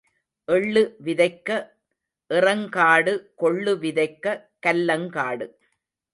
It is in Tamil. எள்ளு விதைக்க எறங்காடு கொள்ளு விதைக்கக் கல்லங்காடு.